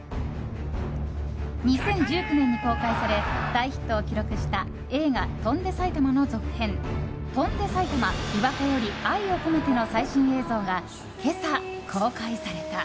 ２０１９年に公開され大ヒットを記録した映画「翔んで埼玉」の続編「翔んで埼玉琵琶湖より愛をこめて」の最新映像が今朝、公開された。